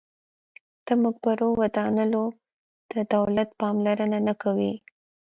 د مقبرو ودانولو ته دولت پاملرنه نه کوي.